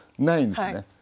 ないんですね。